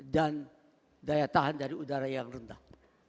dan daya tahan dari udara yang rendah